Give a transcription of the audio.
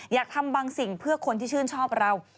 อยากทำบางสิ่งเพื่อคนที่ชื่นชอบเรา